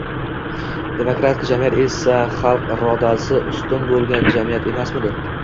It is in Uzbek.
demokratik jamiyat esa xalq irodasi ustun bo‘lgan jamiyat emasmidi?!